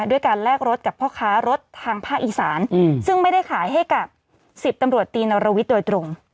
ด้วยการแลกรถกับพ่อค้ารถทางภาคอีสานซึ่งไม่ได้ขายให้กับ๑๐ตำรวจตีนรวิทย์โดยตรง